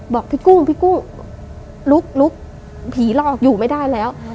บอกพี่กุ้งลุกผีรอกอยู่ไม่ได้แล้ว